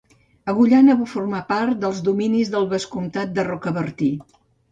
Agullana va formar part dels dominis del vescomtat de Rocabertí.